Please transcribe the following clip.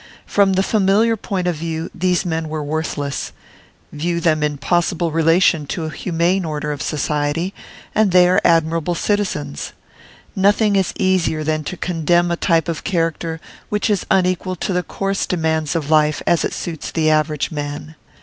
From the familiar point of view these men were worthless; view them in possible relation to a humane order of Society, and they are admirable citizens. Nothing is easier than to condemn a type of character which is unequal to the coarse demands of life as it suits the average man.